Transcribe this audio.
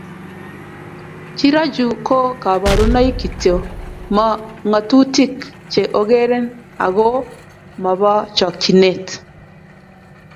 chirachu ko kaborunoik kityo, mo ng'otutik che ong'eren ako mobo chokchinet